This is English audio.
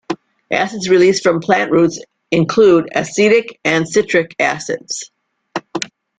Acids released from plant roots include acetic and citric acids.